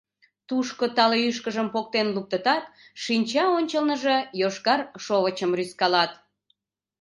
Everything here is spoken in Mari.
Тушко тале ӱшкыжым поктен луктытат, шинча ончылныжо йошкар шовычым рӱзкалат.